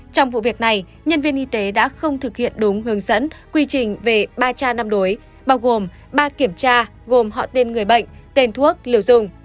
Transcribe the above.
trong vụ việc này nhân viên y tế đã không thực hiện đúng hướng dẫn quy trình về ba cha năm đối bao gồm ba kiểm tra gồm họ tên người bệnh tên thuốc liều dùng